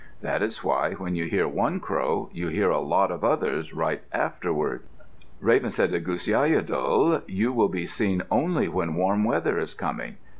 That is why, when you hear one crow, you hear a lot of others right afterward. Raven said to Gusyiadul, "You will be seen only when warm weather is coming.